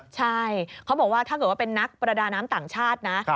ใช่เขาบอกว่าถ้าเกิดว่าเป็นนักประดาน้ำต่างชาตินะ